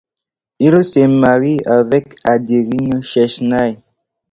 Il se marie avec Adeline Chesnay.